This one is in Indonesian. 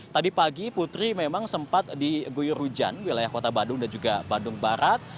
tadi pagi putri memang sempat di guyurujan wilayah kota bandung dan juga bandung barat